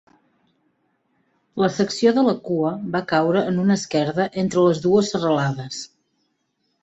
La secció de la cua va caure en una esquerda entre les dues serralades.